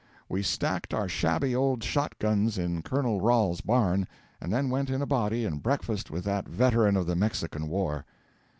We stacked our shabby old shot guns in Colonel Ralls's barn, and then went in a body and breakfasted with that veteran of the Mexican War.